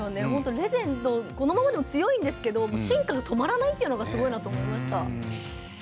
レジェンド、このままでも強いんですけれども進化が止まらないってすごいなって思いました。